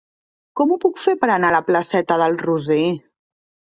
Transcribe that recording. Com ho puc fer per anar a la placeta del Roser?